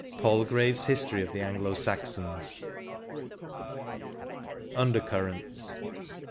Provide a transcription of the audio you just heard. — Palgraves "History of the Anglo Saxons" 53 XXVI. UNDER CDRRENTS.